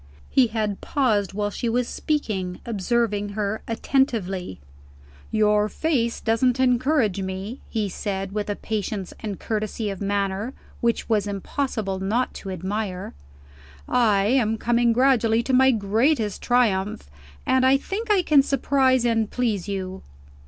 He had paused while she was speaking, observing her attentively. "Your face doesn't encourage me," he said, with a patience and courtesy of manner which it was impossible not to admire. "I am coming gradually to my greatest triumph; and I think I can surprise and please you."